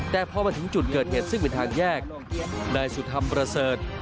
แต่พอมาถึงจุดเกิดเหตุซึ่งเป็นทางแยกนายสุธรรมประเสริฐ